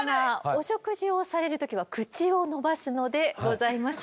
お食事をされる時は口をのばすのでございます。